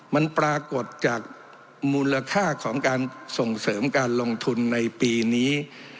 มันปรากฏจากมูลค่าของการส่งเสริมการลงทุนในปีนี้